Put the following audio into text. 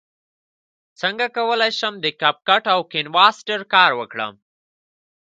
څنګه کولی شم د کپ کټ او کینوسټر کار وکړم